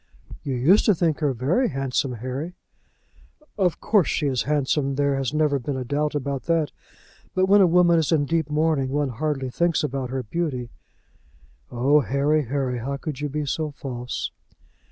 "You used to think her very handsome, Harry." "Of course she is handsome. There has never been a doubt about that; but when a woman is in deep mourning one hardly thinks about her beauty." Oh, Harry, Harry, how could you be so false?